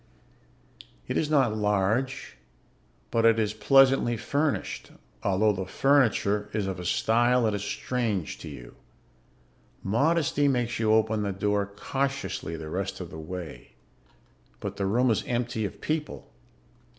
It is not large, but it is pleasantly furnished although the furniture is of a style that is strange to you. Modesty makes you open the door cautiously the rest of the way. But the room is empty of people.